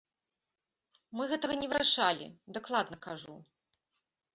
Мы гэтага не вырашалі, дакладна кажу.